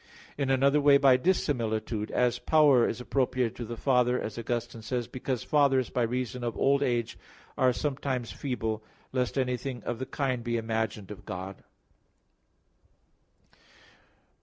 In another way by dissimilitude; as power is appropriated to the Father, as Augustine says, because fathers by reason of old age are sometimes feeble; lest anything of the kind be imagined of God.